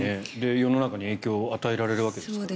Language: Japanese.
世の中に影響を与えられるわけですもんね。